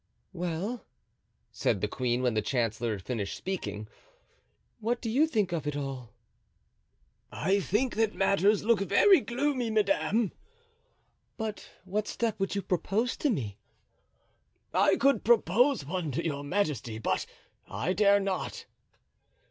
"Well," said the queen, when the chancellor had finished speaking; "what do you think of it all?" "I think that matters look very gloomy, madame." "But what step would you propose to me?" "I could propose one to your majesty, but I dare not."